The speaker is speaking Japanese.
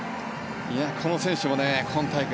この選手も今大会